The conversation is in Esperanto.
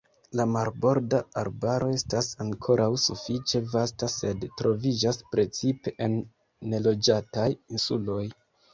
La marborda arbaro estas ankoraŭ sufiĉe vasta, sed troviĝas precipe en neloĝataj insuloj.